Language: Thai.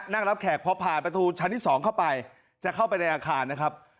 นั่งรับแขกพอผ่านประตูชั้นที่๒เข้าไปจะเข้าไปในอาคารนะครับ